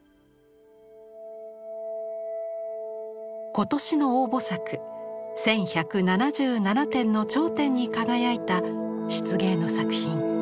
今年の応募作１，１７７点の頂点に輝いた漆芸の作品。